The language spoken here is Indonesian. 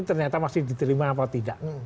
ternyata masih diterima apa tidak